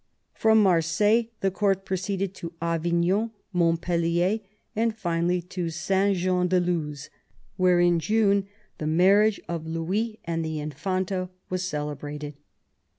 From Marseilles the court proceeded to Avignon, Montpellier, and finally to Saint Jean de Luz, where in June the marriage of Louis and the Infanta was celebrated.